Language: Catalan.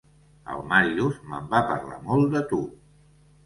El Màrius me'n va parlar molt, de tu.